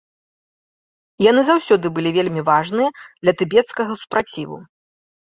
Яны заўсёды былі вельмі важныя для тыбецкага супраціву.